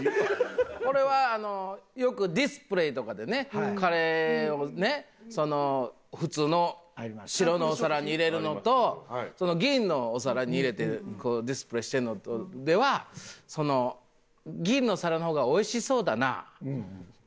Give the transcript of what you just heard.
これはあのよくディスプレーとかでねカレーをねその普通の白のお皿に入れるのと銀のお皿に入れてディスプレーしてるのとではその銀の皿の方が美味しそうだなぁ。